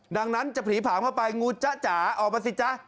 ดังนั้นจะผีผางเข้าไปงูจ๊ะจ๋าออกมาสิจ๊ะ